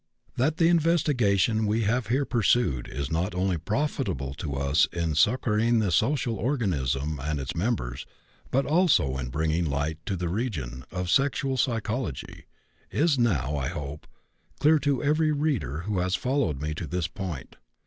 That the investigation we have here pursued is not only profitable to us in succoring the social organism and its members, but also in bringing light into the region of sexual psychology, is now, I hope, clear to every reader who has followed me to this point.